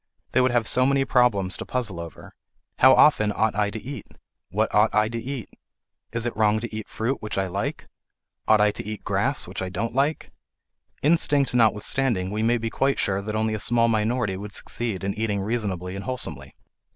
They would have so many problems to puzzle over: How often ought I to eat? What ought I to eat? Is it wrong to eat fruit, which I like? Ought I to eat grass, which I don't like? Instinct notwithstanding, we may be quite sure that only a small minority would succeed in eating reasonably and wholesomely.